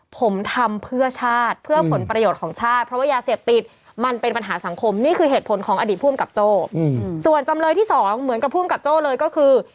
ผมทำเพื่อชาติเพื่อผลประโยชน์ของชาติเพราะว่ายาเสพติดมันเป็นปัญหาสังคมนี่คือเหตุผลของอดีตภูมิกับโจ้ส่วนจำเลยที่สองเหมือนกับภูมิกับโจ้เลยก็คือ